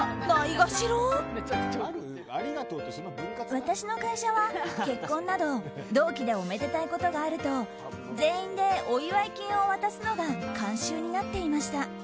私の会社は結婚など同期でおめでたいことがあると全員でお祝い金を渡すのが慣習になっていました。